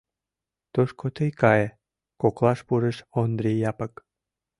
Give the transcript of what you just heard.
— Тушко тый кае! — коклаш пурыш Ондри Япык.